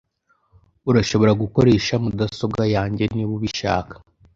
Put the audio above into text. Urashobora gukoresha mudasobwa yanjye niba ubishaka.